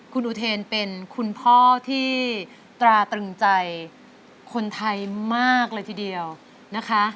คุณอุเทนเป็นคุณพ่อที่ตราตรึงใจคนไทยมากเลยทีเดียวนะคะ